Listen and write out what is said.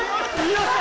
やった！